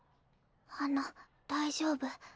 あの大丈夫？